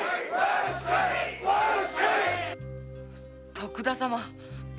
徳田様。